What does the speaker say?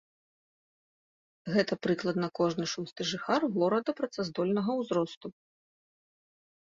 Гэта прыкладна кожны шосты жыхар горада працаздольнага ўзросту.